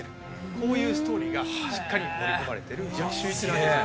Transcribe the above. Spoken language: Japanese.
こういうストーリーがしっかり盛り込まれている非常に秀逸な。